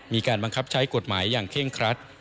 มีการบังคับใช้กฎหมายอย่างเคร่งครัด